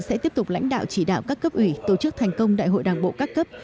sẽ tiếp tục lãnh đạo chỉ đạo các cấp ủy tổ chức thành công đại hội đảng bộ các cấp